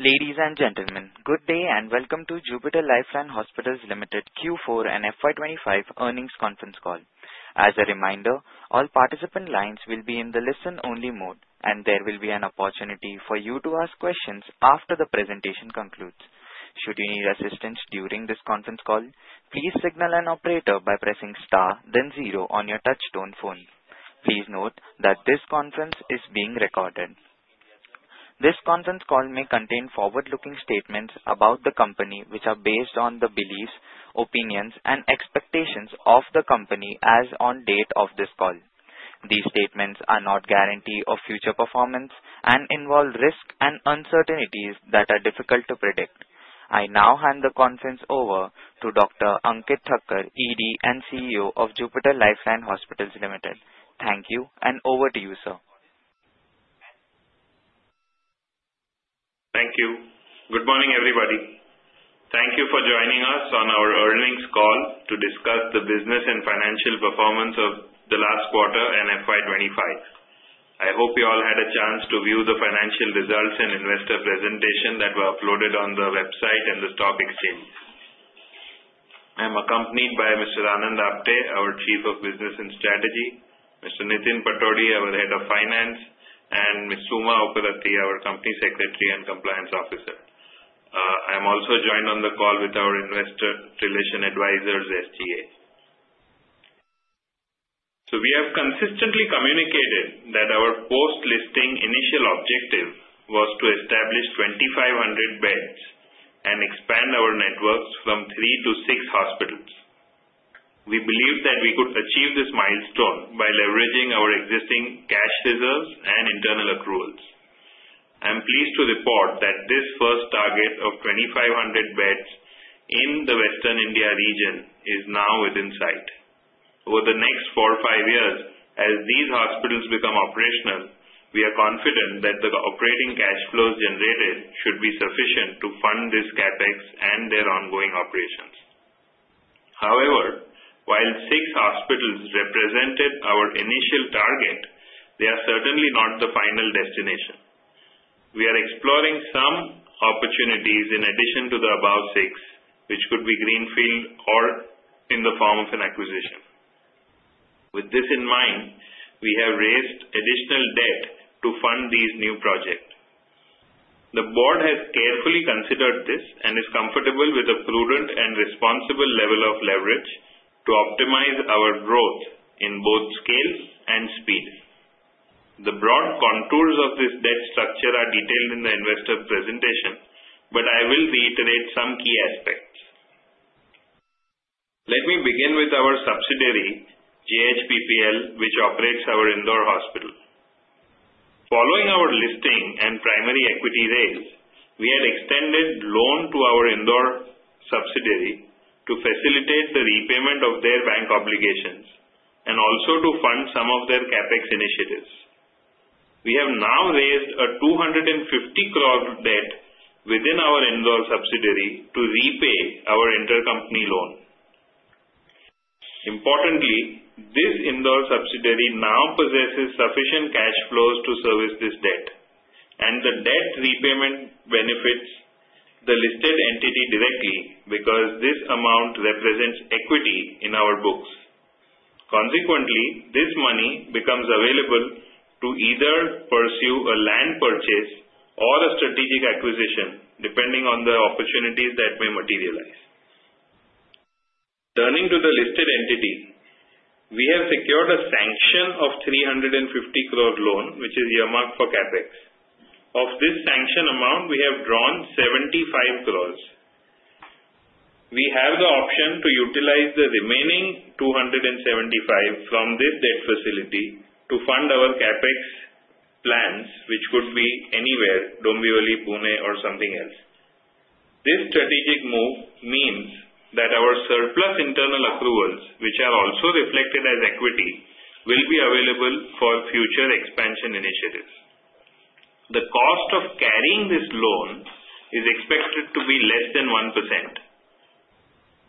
Ladies and gentlemen, good day and welcome to Jupiter Life Line Hospitals Limited Q4 and FY 2025 earnings conference call. As a reminder, all participant lines will be in the listen-only mode, and there will be an opportunity for you to ask questions after the presentation concludes. Should you need assistance during this conference call, please signal an operator by pressing star, then zero on your touch-tone phone. Please note that this conference is being recorded. This conference call may contain forward-looking statements about the company, which are based on the beliefs, opinions, and expectations of the company as on date of this call. These statements are not a guarantee of future performance and involve risks and uncertainties that are difficult to predict. I now hand the conference over to Dr. Ankit Thakkar, ED and CEO of Jupiter Life Line Hospitals Limited. Thank you, and over to you, sir. Thank you. Good morning, everybody. Thank you for joining us on our earnings call to discuss the business and financial performance of the last quarter and FY 2025. I hope you all had a chance to view the financial results and investor presentation that were uploaded on the website and the stock exchange. I'm accompanied by Mr. Anand Apte, our Chief of Business and Strategy; Mr. Nitin Patodi, our Head of Finance; and Ms. Suma Upparatti, our Company Secretary and Compliance Officer. I'm also joined on the call with our Investor Relations Advisors, SGA, so we have consistently communicated that our post-listing initial objective was to establish 2,500 beds and expand our networks from three to six hospitals. We believe that we could achieve this milestone by leveraging our existing cash reserves and internal accruals. I'm pleased to report that this first target of 2,500 beds in the Western India region is now within sight. Over the next four or five years, as these hospitals become operational, we are confident that the operating cash flows generated should be sufficient to fund this CapEx and their ongoing operations. However, while six hospitals represented our initial target, they are certainly not the final destination. We are exploring some opportunities in addition to the above six, which could be greenfield or in the form of an acquisition. With this in mind, we have raised additional debt to fund these new projects. The board has carefully considered this and is comfortable with a prudent and responsible level of leverage to optimize our growth in both scale and speed. The broad contours of this debt structure are detailed in the investor presentation, but I will reiterate some key aspects. Let me begin with our subsidiary, JHPPL, which operates our Indore hospital. Following our listing and primary equity raise, we had extended loan to our Indore subsidiary to facilitate the repayment of their bank obligations and also to fund some of their CapEx initiatives. We have now raised a 250 crore debt within our Indore subsidiary to repay our intercompany loan. Importantly, this Indore subsidiary now possesses sufficient cash flows to service this debt, and the debt repayment benefits the listed entity directly because this amount represents equity in our books. Consequently, this money becomes available to either pursue a land purchase or a strategic acquisition, depending on the opportunities that may materialize. Turning to the listed entity, we have secured a sanction of 350 crore loan, which is earmarked for CapEx. Of this sanction amount, we have drawn 75 crores. We have the option to utilize the remaining 275 from this debt facility to fund our CapEx plans, which could be anywhere: Dombivli, Pune, or something else. This strategic move means that our surplus internal accruals, which are also reflected as equity, will be available for future expansion initiatives. The cost of carrying this loan is expected to be less than 1%.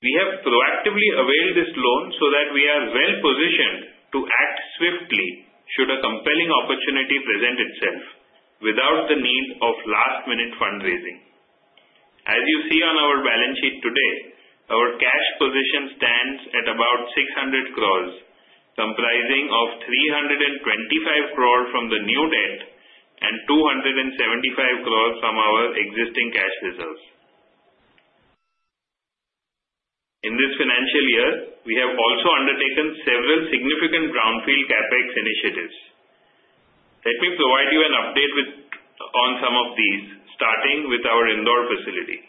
We have proactively availed this loan so that we are well-positioned to act swiftly should a compelling opportunity present itself, without the need of last-minute fundraising. As you see on our balance sheet today, our cash position stands at about 600 crores, comprising of 325 crores from the new debt and 275 crores from our existing cash reserves. In this financial year, we have also undertaken several significant brownfield CapEx initiatives. Let me provide you an update on some of these, starting with our Indore facility.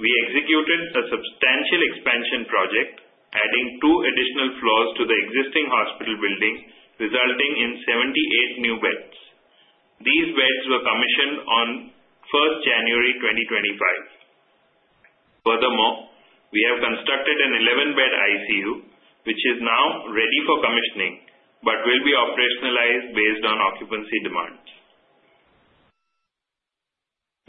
We executed a substantial expansion project, adding two additional floors to the existing hospital building, resulting in 78 new beds. These beds were commissioned on 1st January 2025. Furthermore, we have constructed an 11-bed ICU, which is now ready for commissioning but will be operationalized based on occupancy demands.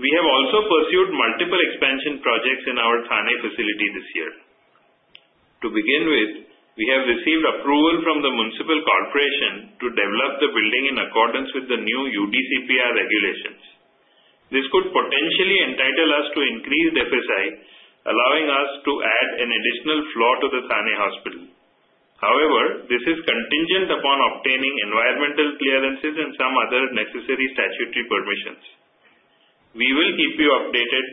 We have also pursued multiple expansion projects in our Thane facility this year. To begin with, we have received approval from the municipal corporation to develop the building in accordance with the new UDCPR regulations. This could potentially entitle us to increased FSI, allowing us to add an additional floor to the Thane hospital. However, this is contingent upon obtaining environmental clearances and some other necessary statutory permissions. We will keep you updated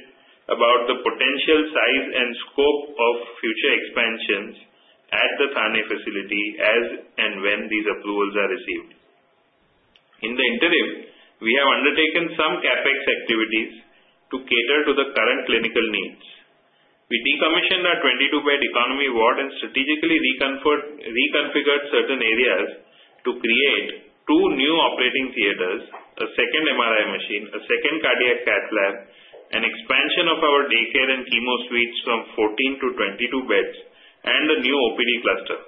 about the potential size and scope of future expansions at the Thane facility as and when these approvals are received. In the interim, we have undertaken some CapEx activities to cater to the current clinical needs. We decommissioned our 22-bed economy ward and strategically reconfigured certain areas to create two new operating theaters, a second MRI machine, a second cardiac cath lab, an expansion of our daycare and chemo suites from 14-22 beds, and a new OPD cluster.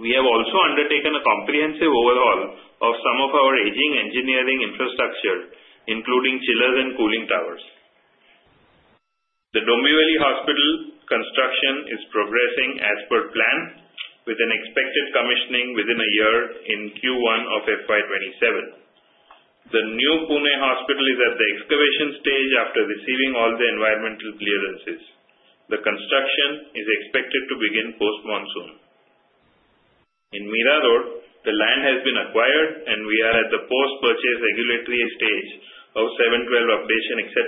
We have also undertaken a comprehensive overhaul of some of our aging engineering infrastructure, including chillers and cooling towers. The Dombivli Hospital construction is progressing as per plan, with an expected commissioning within a year in Q1 of FY 2027. The new Pune hospital is at the excavation stage after receiving all the environmental clearances. The construction is expected to begin post-monsoon. In Mira Road, the land has been acquired, and we are at the post-purchase regulatory stage of 7/12 updation, etc.,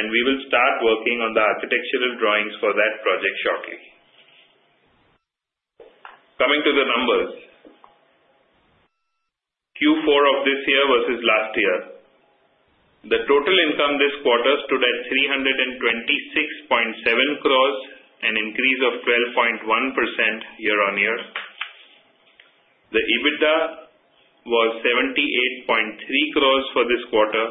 and we will start working on the architectural drawings for that project shortly. Coming to the numbers, Q4 of this year versus last year, the total income this quarter stood at 326.7 crores, an increase of 12.1% year-on-year. The EBITDA was 78.3 crores for this quarter.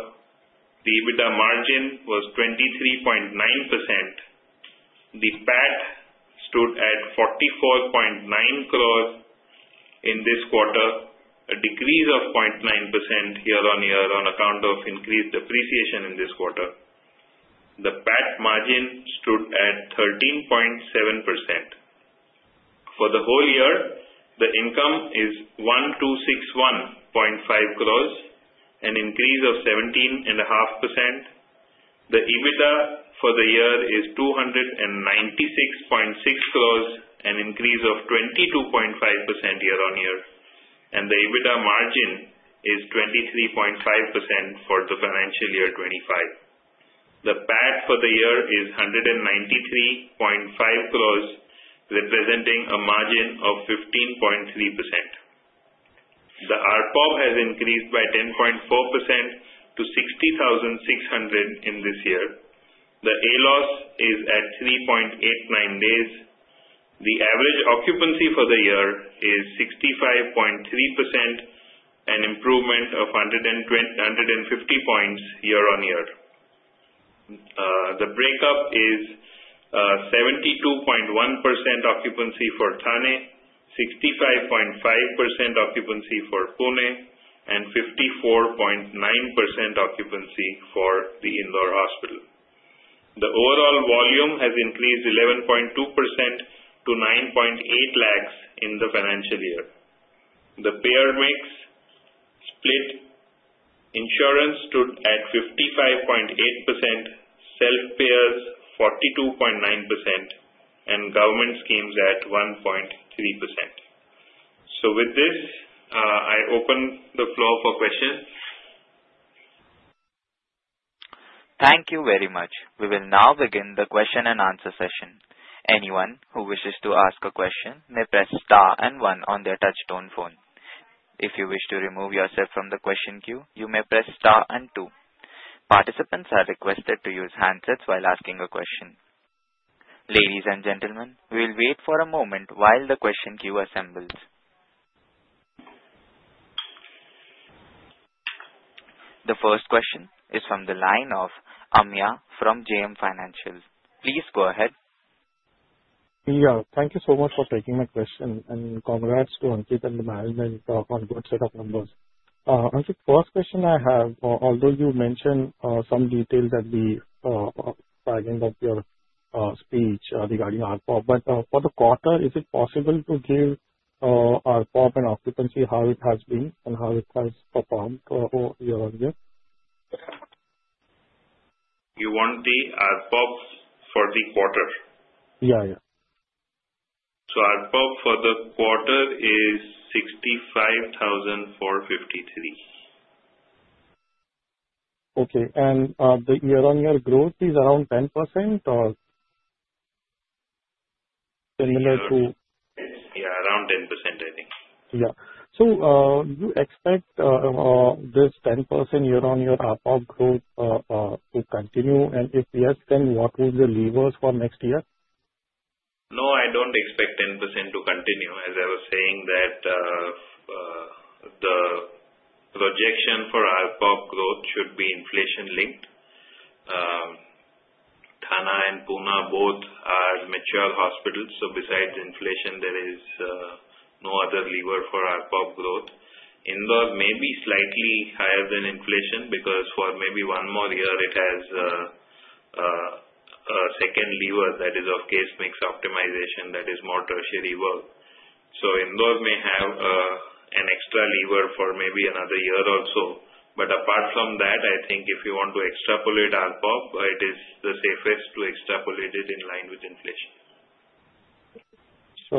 The EBITDA margin was 23.9%. The PAT stood at 44.9 crores in this quarter, a decrease of 0.9% year-on-year on account of increased depreciation in this quarter. The PAT margin stood at 13.7%. For the whole year, the income is 1261.5 crores, an increase of 17.5%. The EBITDA for the year is 296.6 crores, an increase of 22.5% year-on-year, and the EBITDA margin is 23.5% for the financial year 2025. The PAT for the year is 193.5 crores, representing a margin of 15.3%. The ARPOB has increased by 10.4% to 60,600 in this year. The ALOS is at 3.89 days. The average occupancy for the year is 65.3%, an improvement of 150 points year-on-year. The breakup is 72.1% occupancy for Thane, 65.5% occupancy for Pune, and 54.9% occupancy for the Indore hospital. The overall volume has increased 11.2% to 9.8 lakhs in the financial year. The payer mix split: insurance stood at 55.8%, self-payers 42.9%, and government schemes at 1.3%. With this, I open the floor for questions. Thank you very much. We will now begin the question and answer session. Anyone who wishes to ask a question may press star and one on their touch-tone phone. If you wish to remove yourself from the question queue, you may press star and two. Participants are requested to use handsets while asking a question. Ladies and gentlemen, we'll wait for a moment while the question queue assembles. The first question is from the line of Ameya from JM Financial. Please go ahead. Yeah, thank you so much for taking my question, and congrats to Ankit and the management on a good set of numbers. Ankit, first question I have, although you mentioned some details at the end of your speech regarding ARPOB, but for the quarter, is it possible to give ARPOB and occupancy how it has been and how it has performed for year-on-year? You want the ARPOB for the quarter? Yeah, yeah. ARPOB for the quarter is 65,453. Okay, and the year-on-year growth is around 10% or similar to? Yeah, around 10%, I think. Yeah, so you expect this 10% year-on-year ARPOB growth to continue? And if yes, then what will be the levers for next year? No, I don't expect 10% to continue. As I was saying, the projection for ARPOB growth should be inflation-linked. Thane and Pune both are mature hospitals, so besides inflation, there is no other lever for ARPOB growth. Indore may be slightly higher than inflation because for maybe one more year, it has a second lever that is of case mix optimization that is more tertiary work. So Indore may have an extra lever for maybe another year or so. But apart from that, I think if you want to extrapolate ARPOB, it is the safest to extrapolate it in line with inflation. So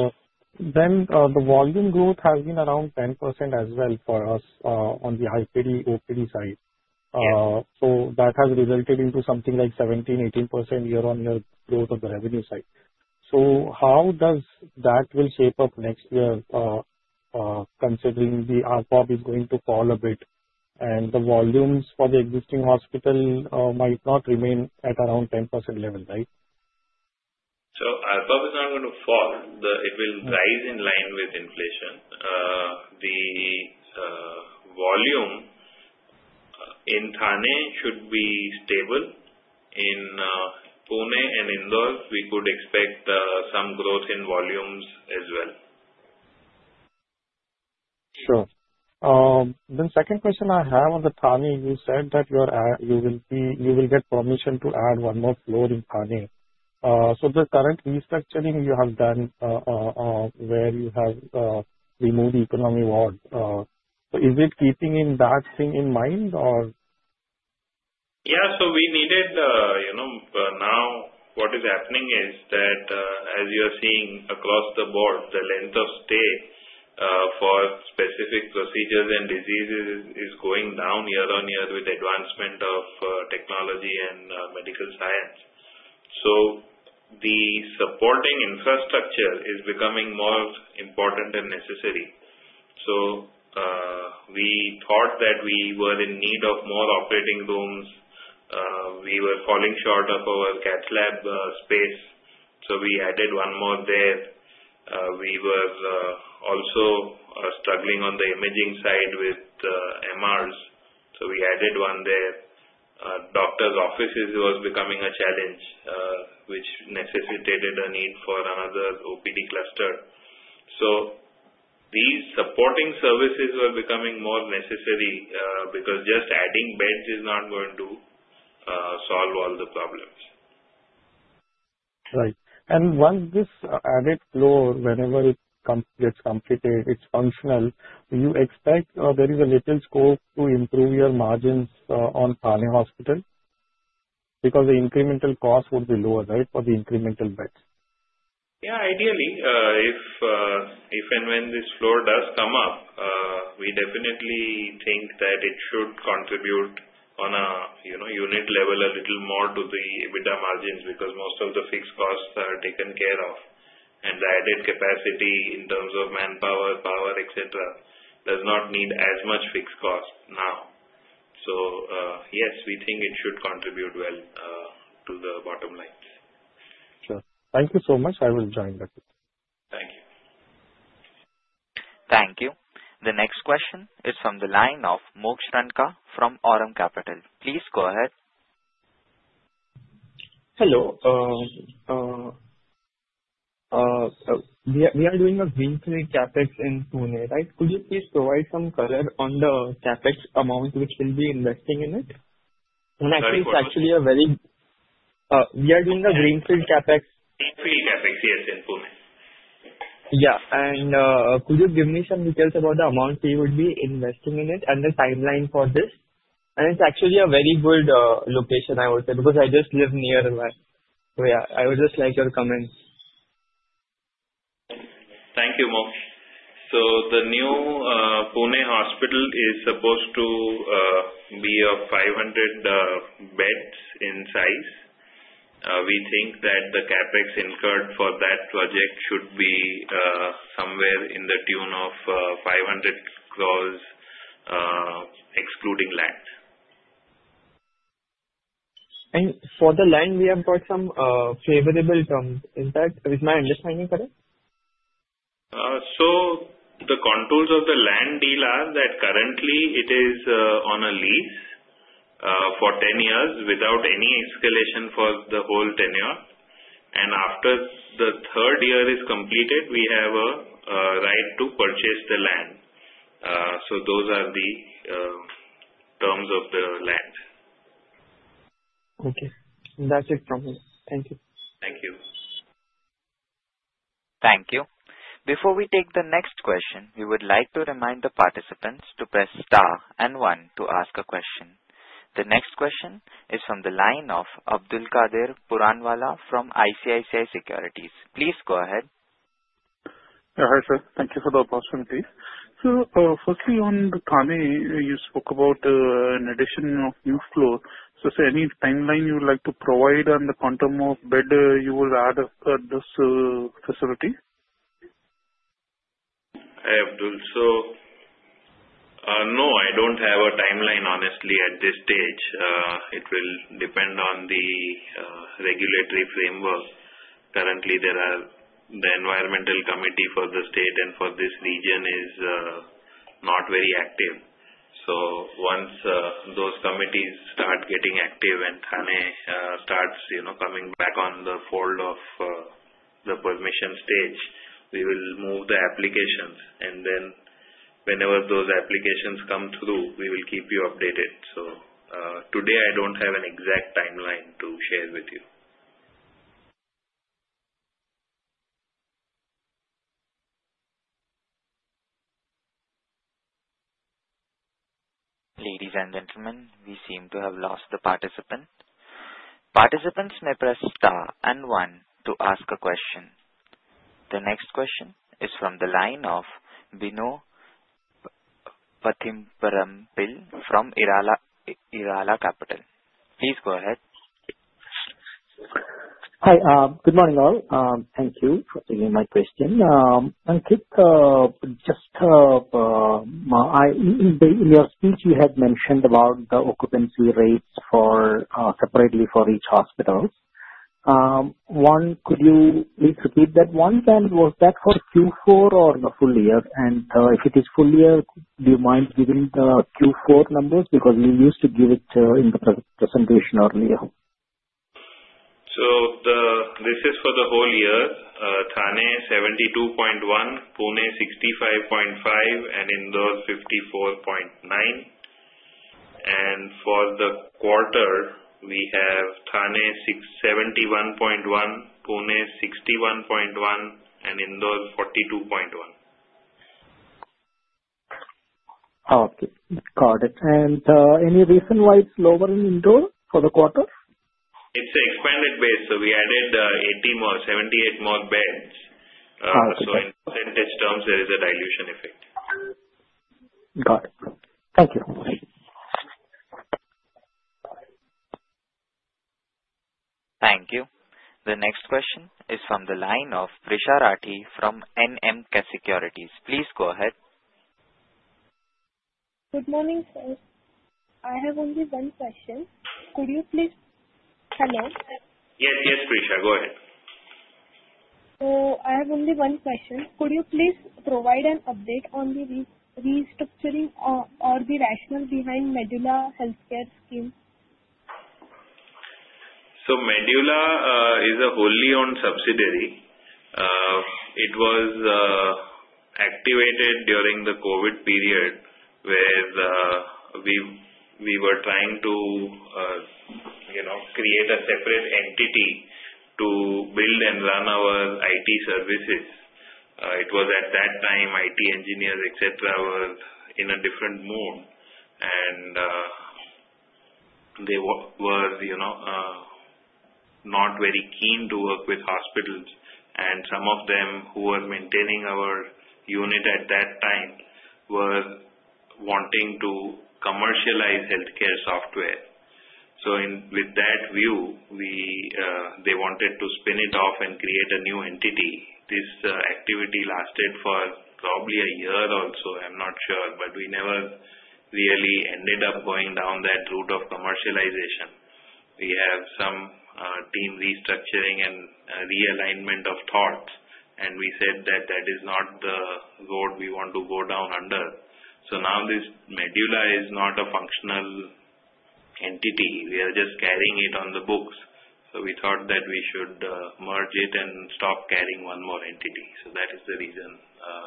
then the volume growth has been around 10% as well for us on the IPD, OPD side. So that has resulted into something like 17%, 18% year-on-year growth on the revenue side. So how does that shape up next year, considering the ARPOB is going to fall a bit and the volumes for the existing hospital might not remain at around 10% level, right? So ARPOB is not going to fall. It will rise in line with inflation. The volume in Thane should be stable. In Pune and Indore, we could expect some growth in volumes as well. Sure. The second question I have on the Thane, you said that you will get permission to add one more floor in Thane, so the current restructuring you have done where you have removed the economy ward, is it keeping that thing in mind or? Yeah, so we needed now what is happening is that, as you are seeing across the board, the length of stay for specific procedures and diseases is going down year-on-year with advancement of technology and medical science. So the supporting infrastructure is becoming more important and necessary. So we thought that we were in need of more operating rooms. We were falling short of our cath lab space, so we added one more there. We were also struggling on the imaging side with MRIs, so we added one there. Doctors' offices were becoming a challenge, which necessitated a need for another OPD cluster. So these supporting services were becoming more necessary because just adding beds is not going to solve all the problems. Right. And once this added floor, whenever it gets completed, it's functional, do you expect there is a little scope to improve your margins on Thane Hospital? Because the incremental cost would be lower, right, for the incremental beds? Yeah, ideally. If and when this floor does come up, we definitely think that it should contribute on a unit level a little more to the EBITDA margins because most of the fixed costs are taken care of. And the added capacity in terms of manpower, power, etc., does not need as much fixed cost now. So yes, we think it should contribute well to the bottom lines. Sure. Thank you so much. I will join that. Thank you. Thank you. The next question is from the line of Moksh Ranka from Aurum Capital. Please go ahead. Hello. We are doing a greenfield CapEx in Pune, right? Could you please provide some color on the CapEx amount which you'll be investing in it? And actually, we are doing a greenfield CapEx. Greenfield CapEx here in Pune. Yeah. And could you give me some details about the amount you would be investing in it and the timeline for this? And it's actually a very good location, I would say, because I just live near there. So yeah, I would just like your comments. Thank you, Moksh. So the new Pune hospital is supposed to be 500 beds in size. We think that the CapEx incurred for that project should be somewhere to the tune of 500 crores excluding land. For the land, we have got some favorable terms. Is that my understanding correct? So the contours of the land deal are that currently it is on a lease for 10 years without any escalation for the whole tenure. And after the third year is completed, we have a right to purchase the land. So those are the terms of the land. Okay. That's it from me. Thank you. Thank you. Thank you. Before we take the next question, we would like to remind the participants to press star and one to ask a question. The next question is from the line of Abdulkader Puranwala from ICICI Securities. Please go ahead. Yeah, hi sir. Thank you for the opportunity. So firstly, on the Thane, you spoke about an addition of new floor. So any timeline you would like to provide on the quantum of bed you will add at this facility? Hey, Abdul. So no, I don't have a timeline, honestly, at this stage. It will depend on the regulatory framework. Currently, the environmental committee for the state and for this region is not very active. So once those committees start getting active and Thane starts coming back on the fold of the permission stage, we will move the applications. And then whenever those applications come through, we will keep you updated. So today, I don't have an exact timeline to share with you. Ladies and gentlemen, we seem to have lost the participant. Participants may press star and one to ask a question. The next question is from the line of Bino Pathiparampil from Elara Capital. Please go ahead. Hi. Good morning, all. Thank you for taking my question. Ankit, just in your speech, you had mentioned about the occupancy rates separately for each hospital. One, could you please repeat that once? And was that for Q4 or the full year? And if it is full year, do you mind giving the Q4 numbers? Because we used to give it in the presentation earlier. This is for the whole year. Thane 72.1%, Pune 65.5%, and Indore 54.9%. For the quarter, we have Thane 71.1%, Pune 61.1%, and Indore 42.1%. Got it. And any reason why it's lower in Indore for the quarter? It's an expanded base. So we added 78 more beds. So in percentage terms, there is a dilution effect. Got it. Thank you. Thank you. The next question is from the line of Prisha Rathi from NMK Securities. Please go ahead. Good morning, sir. I have only one question. Could you please? Hello? Yes, yes, Prisha. Go ahead. So I have only one question. Could you please provide an update on the restructuring or the rationale behind the Medulla Healthcare scheme? So Medulla is a wholly-owned subsidiary. It was activated during the COVID period where we were trying to create a separate entity to build and run our IT services. It was at that time IT engineers, etc., were in a different mode. And they were not very keen to work with hospitals. And some of them who were maintaining our unit at that time were wanting to commercialize healthcare software. So with that view, they wanted to spin it off and create a new entity. This activity lasted for probably a year or so. I'm not sure. But we never really ended up going down that route of commercialization. We have some team restructuring and realignment of thoughts. And we said that that is not the road we want to go down under. So now this Medulla is not a functional entity. We are just carrying it on the books. So we thought that we should merge it and stop carrying one more entity. So that is the reason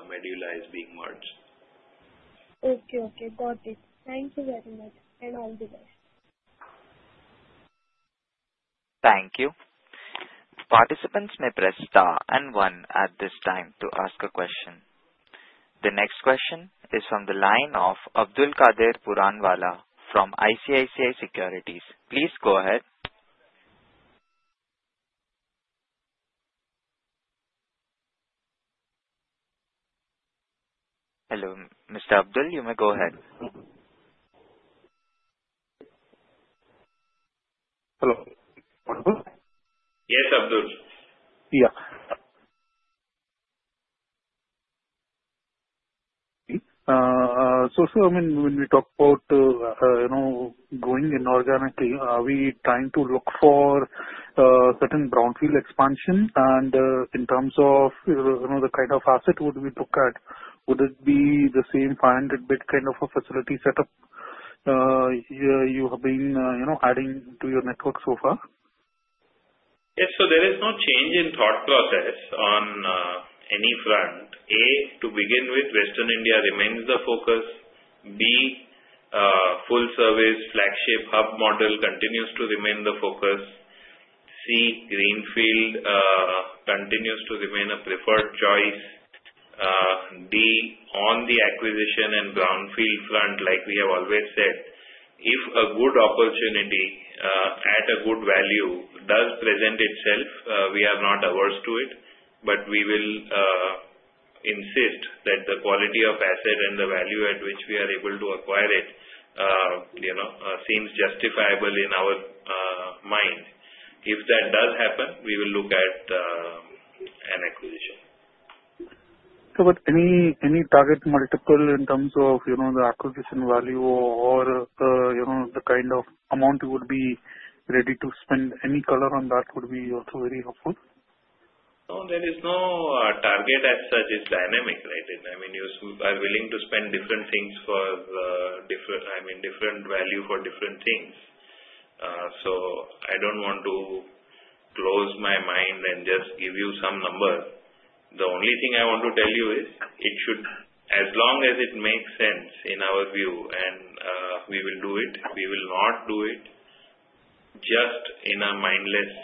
Medulla is being merged. Okay, okay. Got it. Thank you very much and all the best. Thank you. Participants may press star and one at this time to ask a question. The next question is from the line of Abdulkader Puranwala from ICICI Securities. Please go ahead. Hello. Mr. Abdul? You may go ahead. Hello. Yes, Abdul. Yeah. So when we talk about growing inorganically, are we trying to look for certain brownfield expansion? And in terms of the kind of asset would we look at, would it be the same 500-bed kind of facility setup you have been adding to your network so far? Yes. So there is no change in thought process on any front. A, to begin with, Western India remains the focus. B, full-service flagship hub model continues to remain the focus. C, greenfield continues to remain a preferred choice. D, on the acquisition and brownfield front, like we have always said, if a good opportunity at a good value does present itself, we are not averse to it. But we will insist that the quality of asset and the value at which we are able to acquire it seems justifiable in our mind. If that does happen, we will look at an acquisition. So any target multiple in terms of the acquisition value or the kind of amount you would be ready to spend, any color on that would be also very helpful. No, there is no target as such. It's dynamic, right? I mean, you are willing to spend different things for different value for different things. So I don't want to close my mind and just give you some number. The only thing I want to tell you is, as long as it makes sense in our view, and we will do it. We will not do it just in a mindless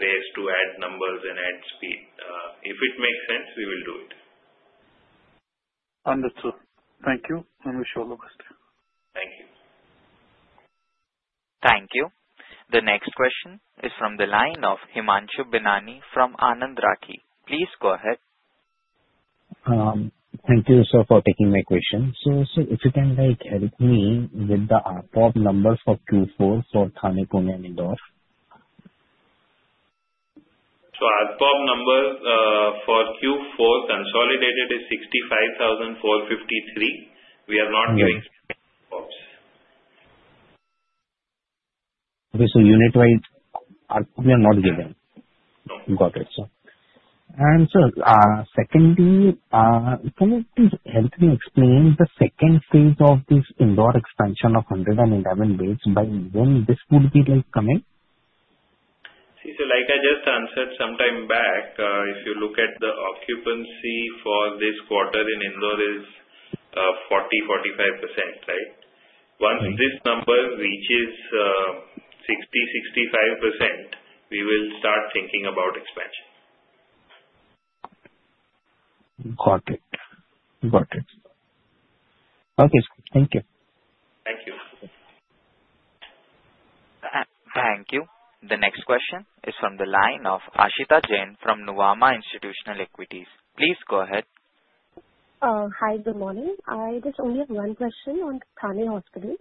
race to add numbers and add speed. If it makes sense, we will do it. Understood. Thank you. I wish you all the best. Thank you. Thank you. The next question is from the line of Himanshu Binani from Anand Rathi. Please go ahead. Thank you, sir, for taking my question. So if you can help me with the ARPOB number for Q4 for Thane, Pune and Indore? So ARPOB number for Q4 consolidated is 65,453. We are not giving ARPOBs. Okay, so unit-wise, ARPOB we are not giving. No. Got it, sir. And sir, secondly, can you please help me explain the second phase of this Indore expansion of 111 beds? By when this would be coming? See, so like I just answered sometime back, if you look at the occupancy for this quarter in Indore is 40%, 45%, right? Once this number reaches 60%, 65%, we will start thinking about expansion. Got it. Got it. Okay. Thank you. Thank you. Thank you. The next question is from the line of Aashita Jain from Nuvama Institutional Equities. Please go ahead. Hi. Good morning. I just only have one question on Thane Hospital.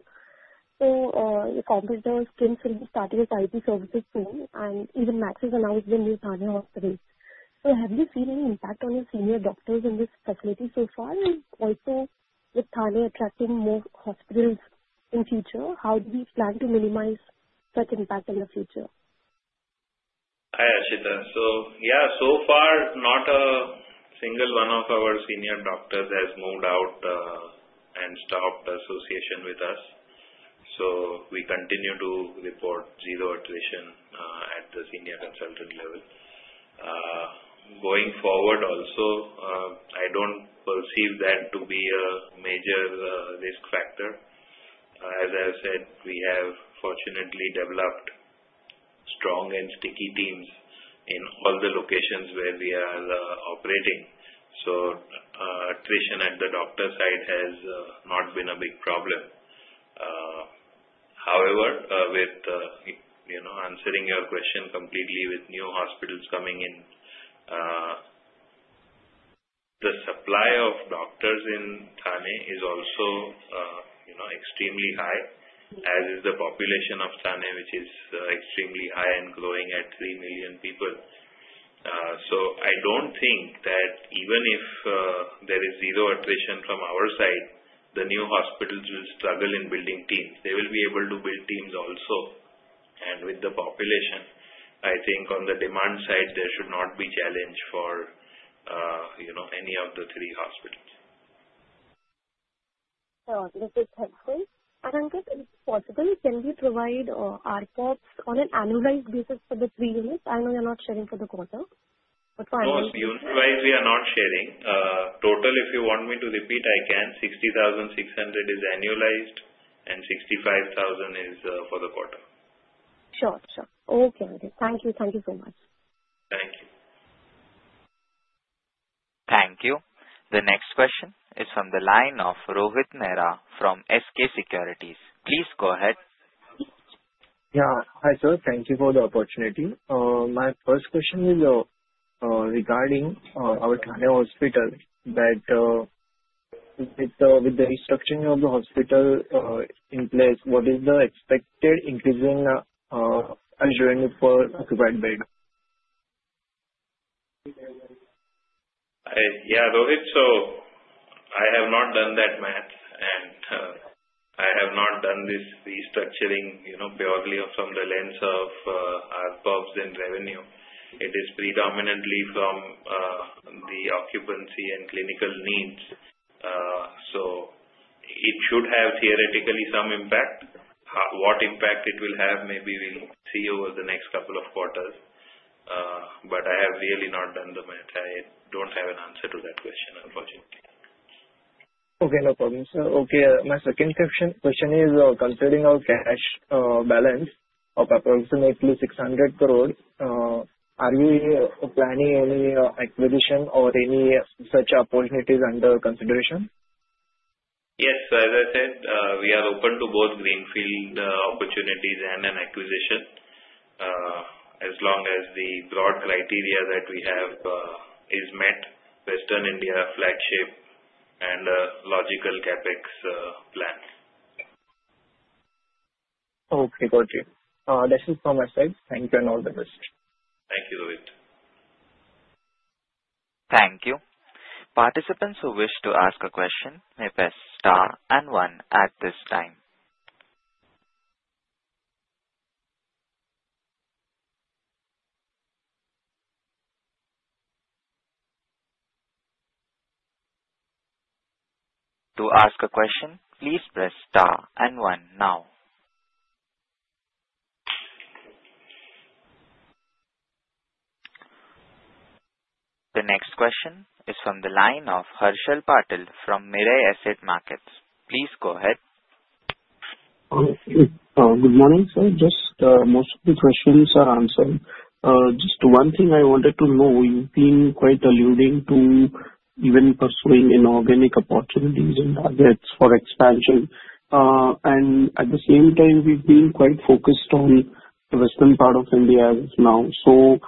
So your competitor's team started its IT services soon, and even Max has announced the new Thane Hospital. So have you seen any impact on your senior doctors in this facility so far? And also, with Thane attracting more hospitals in the future, how do you plan to minimize such impact in the future? Hi, Aashita. So yeah, so far, not a single one of our senior doctors has moved out and stopped association with us. So we continue to report zero attrition at the senior consultant level. Going forward also, I don't perceive that to be a major risk factor. As I have said, we have fortunately developed strong and sticky teams in all the locations where we are operating. So attrition at the doctor side has not been a big problem. However, with answering your question completely with new hospitals coming in, the supply of doctors in Thane is also extremely high, as is the population of Thane, which is extremely high and growing at 3 million people. So I don't think that even if there is zero attrition from our side, the new hospitals will struggle in building teams. They will be able to build teams also. With the population, I think on the demand side, there should not be challenge for any of the three hospitals. Is it possible, can we provide ARPOBs on an annualized basis for the three units? I know you're not sharing for the quarter. No, unit-wise, we are not sharing. Total, if you want me to repeat, I can. 60,600 is annualized, and 65,000 is for the quarter. Sure, sure. Okay. Thank you. Thank you so much. Thank you. Thank you. The next question is from the line of Rohit Mehra from SK Securities. Please go ahead. Yeah. Hi sir. Thank you for the opportunity. My first question is regarding our Thane hospital that with the restructuring of the hospital in place, what is the expected increase? Yeah, Rohit, so I have not done that math, and I have not done this restructuring purely from the lens of ARPOBs and revenue. It is predominantly from the occupancy and clinical needs. So it should have theoretically some impact. What impact it will have, maybe we'll see over the next couple of quarters. But I have really not done the math. I don't have an answer to that question, unfortunately. Okay. No problem, sir. Okay. My second question is considering our cash balance of approximately 600 crore, are you planning any acquisition or any such opportunities under consideration? Yes. As I said, we are open to both greenfield opportunities and an acquisition as long as the broad criteria that we have is met: Western India flagship and a logical CapEx plan. Okay. Got it. That's it from my side. Thank you, and all the best. Thank you, Rohit. Thank you. Participants who wish to ask a question may press star and one at this time. To ask a question, please press star and one now. The next question is from the line of Harshal Patil from Mirae Asset Markets. Please go ahead. Good morning, sir. Just most of the questions are answered. Just one thing I wanted to know, you've been quite alluding to even pursuing inorganic opportunities and targets for expansion. And at the same time, we've been quite focused on the western part of India as of now. So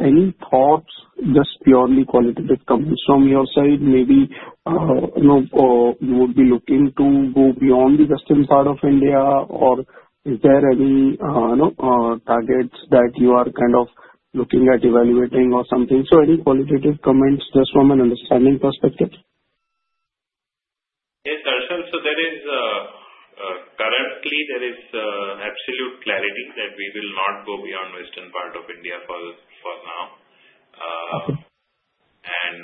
any thoughts, just purely qualitative, coming from your side? Maybe you would be looking to go beyond the western part of India, or is there any targets that you are kind of looking at evaluating or something? So any qualitative comments just from an understanding perspective? Yes, Harshal. So currently, there is absolute clarity that we will not go beyond the western part of India for now. And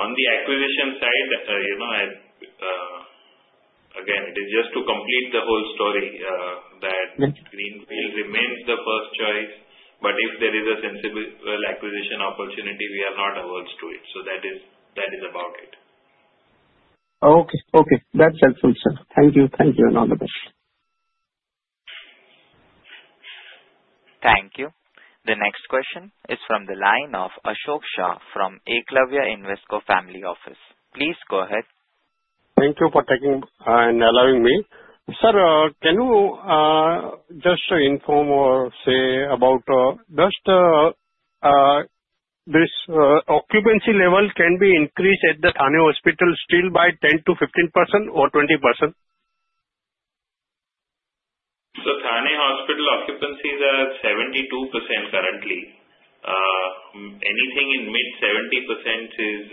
on the acquisition side, again, it is just to complete the whole story that greenfield remains the first choice. But if there is a sensible acquisition opportunity, we are not averse to it. So that is about it. Okay. Okay. That's helpful, sir. Thank you. Thank you, and all the best. Thank you. The next question is from the line of Ashok Shah from Eklavya Invesco Family Office. Please go ahead. Thank you for taking and allowing me. Sir, can you just inform or say about just this occupancy level can be increased at the Thane hospital still by 10%-15% or 20%? Thane hospital occupancy is at 72% currently. Anything in mid 70% is,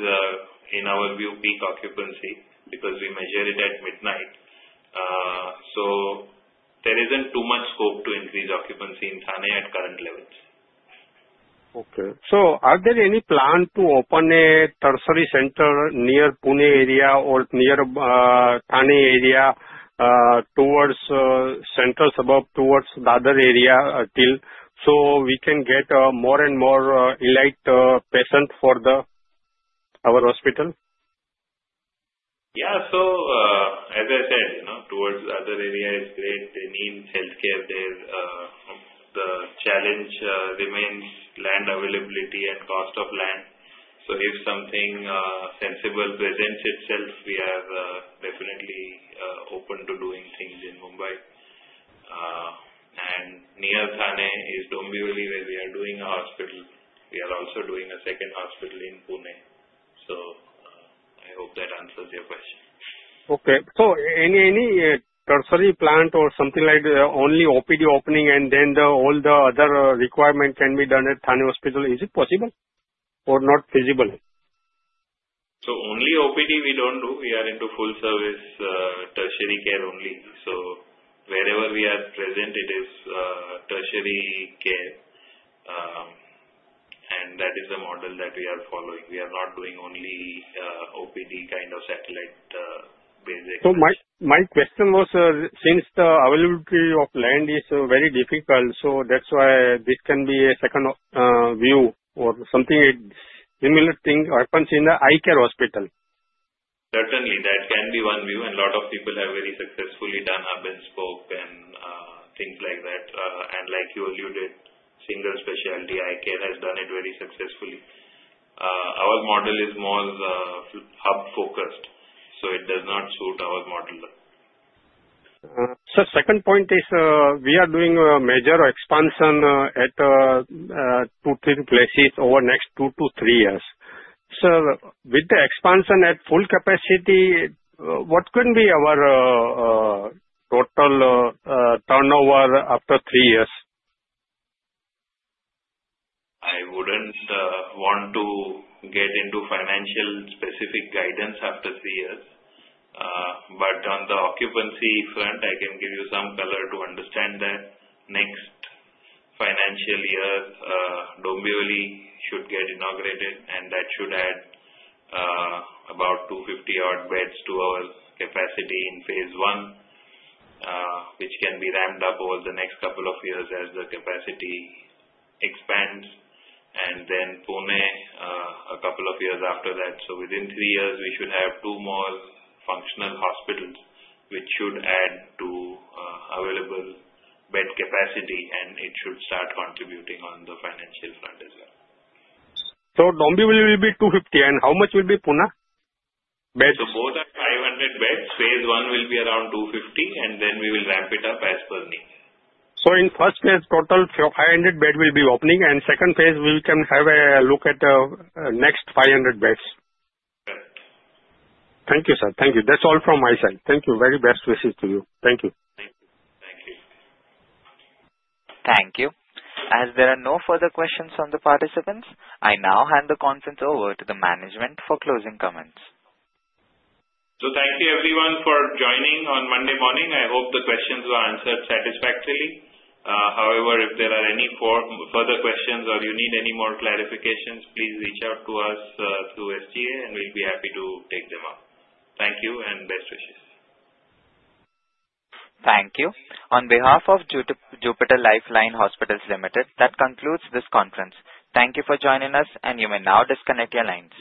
in our view, peak occupancy because we measure it at midnight. There isn't too much scope to increase occupancy in Thane at current levels. Okay. So are there any plan to open a tertiary center near Pune area or near Thane area towards central suburb towards the other area till so we can get more and more elite patients for our hospital? Yeah. So as I said, towards the other area is great. They need healthcare there. The challenge remains land availability and cost of land. So if something sensible presents itself, we are definitely open to doing things in Mumbai and near Thane is Dombivli where we are doing a hospital. We are also doing a second hospital in Pune, so I hope that answers your question. Okay. So any tertiary care or something like only OPD opening and then all the other requirement can be done at Thane hospital, is it possible or not feasible? So only OPD we don't do. We are into full-service tertiary care only. So wherever we are present, it is tertiary care. And that is the model that we are following. We are not doing only OPD kind of satellite basic. So my question was, since the availability of land is very difficult, so that's why this can be a second view or something similar thing happens in the eye care hospital? Certainly, that can be one view. And a lot of people have very successfully done hub and spoke and things like that. And like you alluded, single specialty eye care has done it very successfully. Our model is more hub-focused. So it does not suit our model. Sir, second point is we are doing a major expansion at two or three places over the next two to three years. Sir, with the expansion at full capacity, what can be our total turnover after three years? I wouldn't want to get into financial specific guidance after three years. But on the occupancy front, I can give you some color to understand that next financial year, Dombivli should get inaugurated, and that should add about 250 odd beds to our capacity in phase I, which can be ramped up over the next couple of years as the capacity expands. And then Pune, a couple of years after that. So within three years, we should have two more functional hospitals which should add to available bed capacity, and it should start contributing on the financial front as well. Dombivli will be 250, and how much will be Pune beds? So both are 500 beds. Phase I will be around 250, and then we will ramp it up as per need. So in first phase, total 500 beds will be opening, and second phase, we can have a look at next 500 beds. Correct. Thank you, sir. Thank you. That's all from my side. Thank you. Very best wishes to you. Thank you. Thank you. Thank you. Thank you. As there are no further questions from the participants, I now hand the conference over to the management for closing comments. Thank you, everyone, for joining on Monday morning. I hope the questions were answered satisfactorily. However, if there are any further questions or you need any more clarifications, please reach out to us through SGA, and we'll be happy to take them up. Thank you and best wishes. Thank you. On behalf of Jupiter Life Line Hospitals Limited, that concludes this conference. Thank you for joining us, and you may now disconnect your lines.